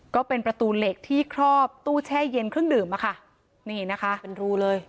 ก็เป็นประตูเหล็กที่ครอบตู้แช่เย็นเครื่องดื่มอะค่ะนี่นะคะเป็นรูเลย